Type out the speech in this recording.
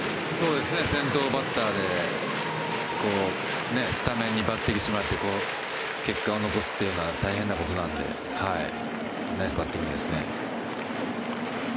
先頭バッターでスタメンに抜擢してもらって結果を残すっていうのは大変なことなのでナイスバッティングですね。